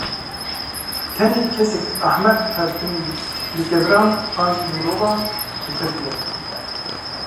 Tenê kesekî ehmeq her timî li keviran an jî li mirovan diterpile.